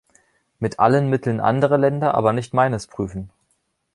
Mit allen Mitteln andere Länder, aber nicht meines prüfen.